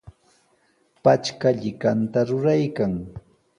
Patrka llikanta ruraykan.